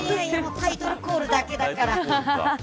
タイトルコールだけだから。